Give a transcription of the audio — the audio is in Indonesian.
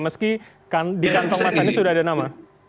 meski kan di kantor mas anies sudah ada nama